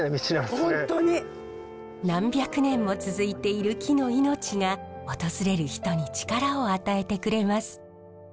何百年も続いている木の命が訪れる人に力を与えてくれます。